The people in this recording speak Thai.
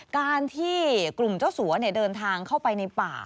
การที่กลุ่มเจ้าสัวเดินทางเข้าไปในป่า